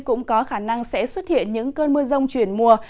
cũng có khả năng sẽ xuất hiện những cơn mưa rông chuyển mùa